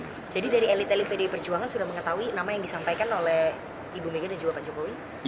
jadi dari elit elit pdi perjuangan sudah mengetahui nama yang disampaikan oleh ibu megawati dan juga pak jokowi